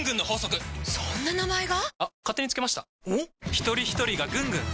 ひとりひとりがぐんぐん！